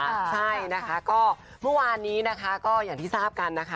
ใช่นะคะก็เมื่อวานนี้นะคะก็อย่างที่ทราบกันนะคะ